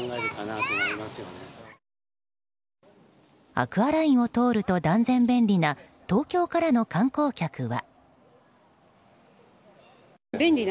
アクアラインを通ると断然便利な東京からの観光客は。